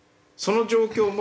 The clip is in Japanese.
その状況